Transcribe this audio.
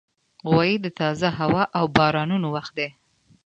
غویی د تازه هوا او بارانونو وخت دی.